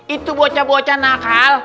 itu bocah bocan nakal